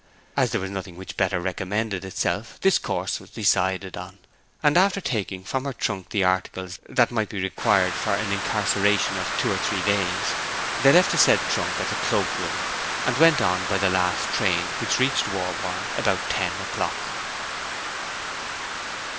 As there was nothing which better recommended itself this course was decided on; and after taking from her trunk the articles that might be required for an incarceration of two or three days they left the said trunk at the cloak room, and went on by the last train, which reached Warborne about ten o'clock.